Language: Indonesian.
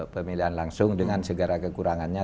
pemilihan langsung dengan segara kekurangannya